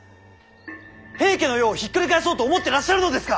平家の世をひっくり返そうと思ってらっしゃるのですか！